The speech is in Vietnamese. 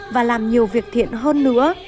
và làm nhiều việc thiện hơn nữa